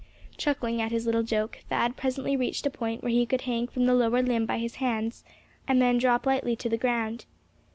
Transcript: Chuckling at his little joke, Thad presently reached a point where he could hang from the lower limb by his hands, and then drop lightly to the ground.